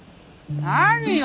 何よ？